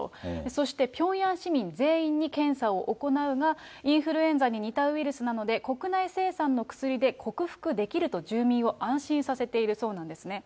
そして、ピョンヤン市民全員に検査を行うが、インフルエンザに似たウイルスなので、国内生産の薬で克服できると住民を安心させているそうなんですね。